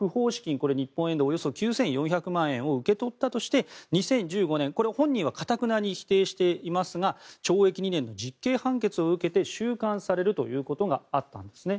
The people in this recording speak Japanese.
これは日本円でおよそ９４００万円を受け取ったとして、２０１５年本人は頑なに否定していますが懲役２年の実刑判決を受けて収監されるということがあったんですね。